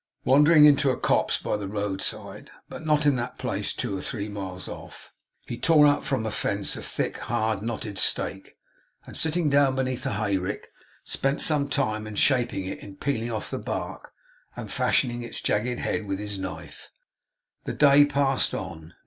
Wandering into a copse by the road side but not in that place; two or three miles off he tore out from a fence a thick, hard, knotted stake; and, sitting down beneath a hayrick, spent some time in shaping it, in peeling off the bark, and fashioning its jagged head with his knife. The day passed on.